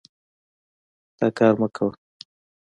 دا کار مه کوه.